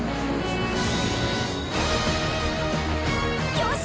よし！